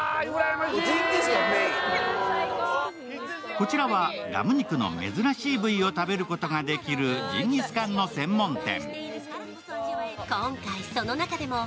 こちらはラム肉の珍しい部位を食べることができるジンギスカンの専門店。